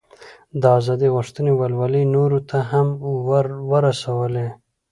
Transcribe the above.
د ازادۍ غوښتنې ولولې یې نورو ته هم ور ورسولې.